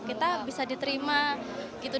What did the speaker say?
kita bisa diterima gitu